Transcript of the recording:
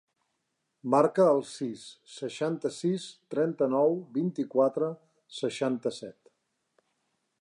Marca el sis, seixanta-sis, trenta-nou, vint-i-quatre, seixanta-set.